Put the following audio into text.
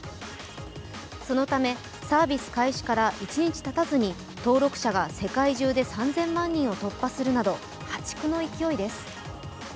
そのためサービス開始から一日たたずに登録者が世界中で３０００万人を突破するなど破竹の勢いです。